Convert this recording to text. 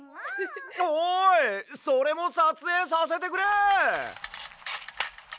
おいそれもさつえいさせてくれ！